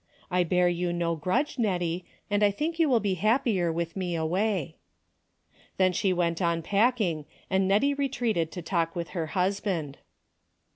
I bear you no grudge, Nettie, and I think you will be happier with me away." Then she went 118 DAILY rate:' Oil packing and N^ettie retreated to talk with her husband.